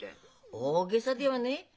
大げさではねえ。